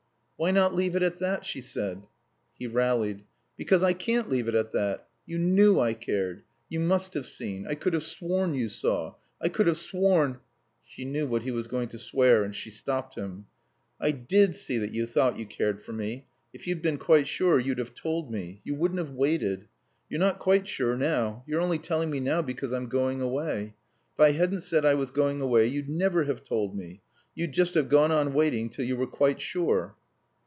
"Why not leave it at that?" she said. He rallied. "Because I can't leave it at that. You knew I cared. You must have seen. I could have sworn you saw. I could have sworn " She knew what he was going to swear and she stopped him. "I did see that you thought you cared for me. If you'd been quite sure you'd have told me. You wouldn't have waited. You're not quite sure now. You're only telling me now because I'm going away. If I hadn't said I was going away you'd never have told me. You'd just have gone on waiting till you were quite sure."